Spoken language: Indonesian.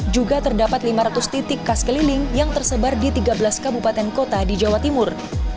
juga terdapat lima ratus titik khas keliling yang tersebar di tiga belas kabupaten kota di jawa timur